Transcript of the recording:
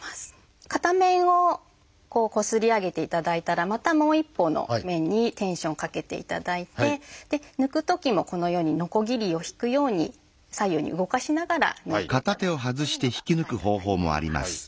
片面をこすり上げていただいたらまたもう一方の面にテンションをかけていただいて抜くときもこのようにノコギリをひくように左右に動かしながら抜いていただくというのが使い方になります。